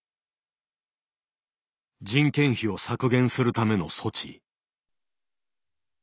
人件費を削減するための措置。